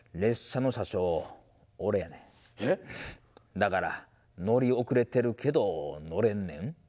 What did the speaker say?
だから乗り遅れてるけど乗れんねん。